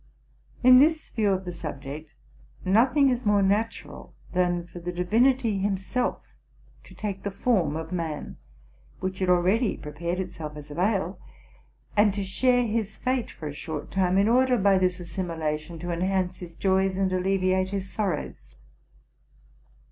In this view of the subject, nothing is more natural than for the Divinity himself to take the form of man, which had already prepared itself as a veil, and to share his fate for a short time, in order, by this assimilation, to enhance his joys and alleviate his sorrows.